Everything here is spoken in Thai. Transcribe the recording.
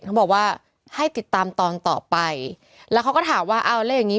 เขาบอกว่าให้ติดตามตอนต่อไปแล้วเขาก็ถามว่าเอาแล้วอย่างงี้